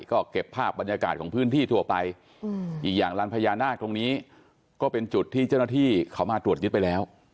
ก็เก็บภาพบรรยากาศของพื้นที่ทั่วไปอีกอย่างลานพญานาคตรงนี้ก็เป็นจุดที่เจ้าหน้าที่เขามาตรวจยึดไปแล้ว